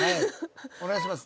お願いします。